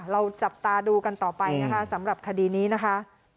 เราจับตาดูกันต่อไปนะคะสำหรับคดีนี้นะคะ